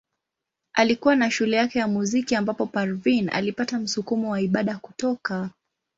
Alikuwa na shule yake ya muziki ambapo Parveen alipata msukumo wa ibada kutoka.